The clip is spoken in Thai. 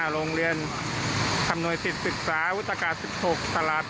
โรงเรียนคำนวยศิษย์ศึกษาวุฒากาศิกษ์๑๖ตลาด